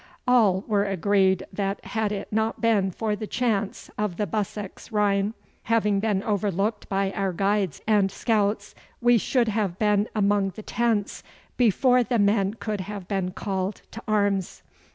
All were agreed that had it not been for the chance of the Bussex Rhine having been overlooked by our guides and scouts, we should have been among the tents before the men could have been called to arms.